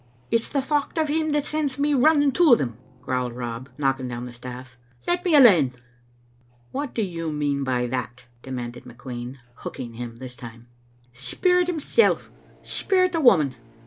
"It's the thocht o' him that sends me running to them," growled Rob, knocking down the staff. "Let me alane." "What do you mean by that?" demanded McQueen, hooking him this time. " Speir at himsel' ; speir at the woman."